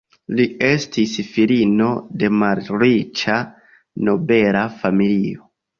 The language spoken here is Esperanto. Li estis filino de malriĉa nobela familio.